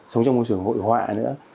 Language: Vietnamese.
sống trong môi trường hội họa nữa